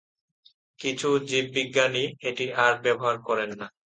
কিছু জীববিজ্ঞানী এটা আর ব্যবহার করেন না।